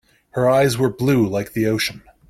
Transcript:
Her eyes were blue like the ocean.